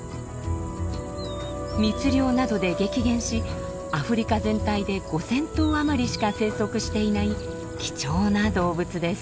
密猟などで激減しアフリカ全体で５，０００頭余りしか生息していない貴重な動物です。